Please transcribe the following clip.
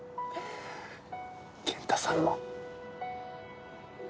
元太さんも。